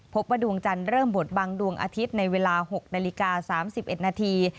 พบว่าดวงจันทร์เริ่มบดบังดวงอาทิตย์ในเวลา๖นาฬิกา๓๑นาที